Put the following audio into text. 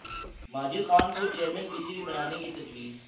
ماجد خان کو chairman P C B بنانے کی تجویز